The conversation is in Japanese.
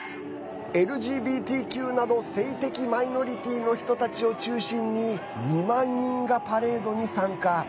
ＬＧＢＴＱなど性的マイノリティーの人たちを中心に２万人がパレードに参加。